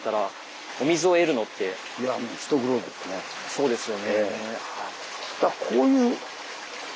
そうですよね。